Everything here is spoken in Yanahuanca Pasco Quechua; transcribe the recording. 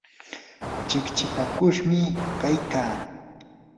chikchipakushmi kaykaa.